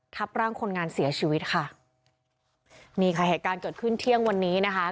ทับร่างคนงานเสียชีวิตค่ะนี่ค่ะเหตุการณ์เกิดขึ้นเที่ยงวันนี้นะคะ